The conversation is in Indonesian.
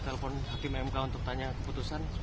saya telpon hakim mk untuk tanya keputusan